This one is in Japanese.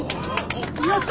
やった！